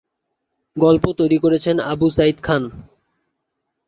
গল্প তৈরি করেছেন আবু সাঈদ খান।